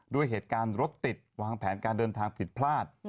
ด้วยเหตุการณ์รถติดวางแผนการเดินทางผิดพลาด